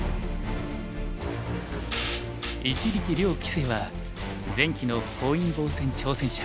一力遼棋聖は前期の本因坊戦挑戦者。